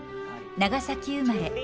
長崎生まれ。